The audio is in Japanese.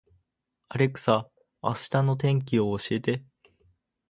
アレクサ、明日の天気を教えて